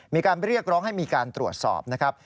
มีการเรียกร้องให้มีการตรวจสอบนะครับ